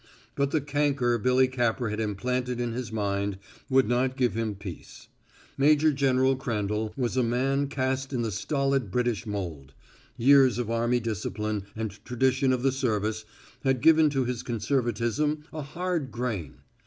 But the canker Billy Capper had implanted in his mind would not give him peace. Major general Crandall was a man cast in the stolid British mold; years of army discipline and tradition of the service had given to his conservatism a hard grain.